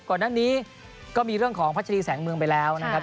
ก่อนหน้านี้ก็มีเรื่องของพัชรีแสงเมืองไปแล้วนะครับ